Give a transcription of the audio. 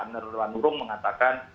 nurwan nurung mengatakan